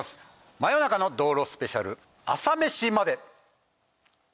真夜中の道路スペシャル『朝メシまで。』！